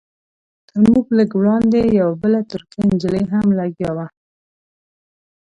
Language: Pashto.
تر موږ لږ وړاندې یوه بله ترکۍ نجلۍ هم لګیا وه.